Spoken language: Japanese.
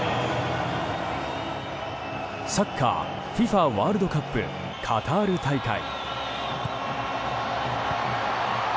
サッカーＦＩＦＡワールドカップカタール大会。